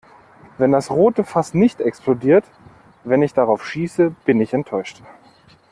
Wenn das rote Fass nicht explodiert, wenn ich darauf schieße, bin ich enttäuscht.